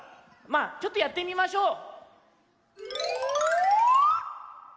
まあちょっとやってみましょう。